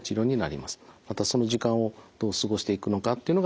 またその時間をどう過ごしていくのかっていうのが大事になります。